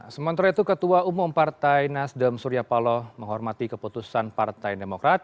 sementara itu ketua umum partai nasdem surya paloh menghormati keputusan partai demokrat